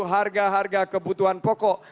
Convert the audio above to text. harga harga kebutuhan pokok